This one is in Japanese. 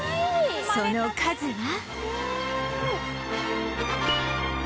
その数は